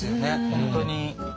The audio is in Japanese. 本当に。